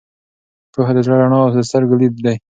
پوهه د زړه رڼا او د سترګو لید دی.